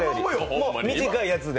もう短いやつで。